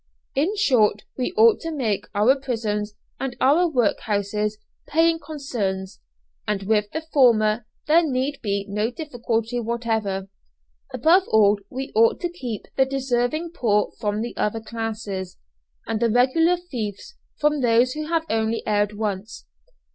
In short we ought to make our prisons and our workhouses paying concerns, and with the former there need be no difficulty whatever; above all we ought to keep the deserving poor from the other classes, and the regular thieves from those who have only erred once.